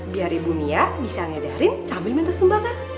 biar ibu nia bisa ngedarin sambil minta sumbangan